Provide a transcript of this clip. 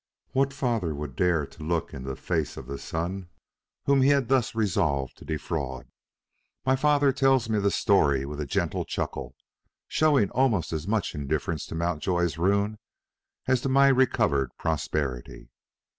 What father would dare to look in the face of the son whom he had thus resolved to defraud? My father tells me the story with a gentle chuckle, showing almost as much indifference to Mountjoy's ruin as to my recovered prosperity.